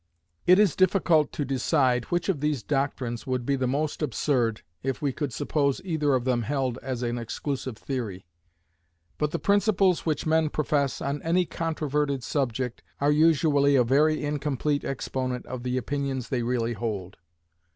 It is difficult to decide which of these doctrines would be the most absurd, if we could suppose either of them held as an exclusive theory. But the principles which men profess, on any controverted subject, are usually a very incomplete exponent of the opinions they really hold.